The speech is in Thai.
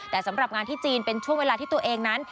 แต่สำหรับงานที่จีนเป็นช่วงเวลาที่ตัวเองนั้น